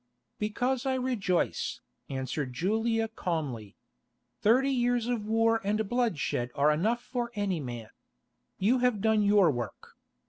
"Because I rejoice," answered Julia calmly. "Thirty years of war and bloodshed are enough for any man. You have done your work.